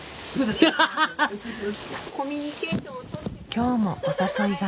今日もお誘いが。